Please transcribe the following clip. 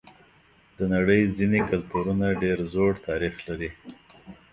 د نړۍ ځینې کلتورونه ډېر زوړ تاریخ لري.